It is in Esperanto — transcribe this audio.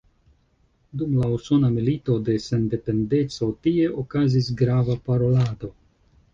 Dum la Usona Milito de Sendependeco tie okazis grava parolado.